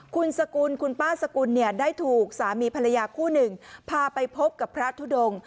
คุณสกุลคุณป้าสกุลเนี่ยได้ถูกสามีภรรยาคู่หนึ่งพาไปพบกับพระทุดง